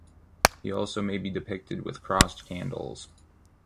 He may also be depicted with crossed candles.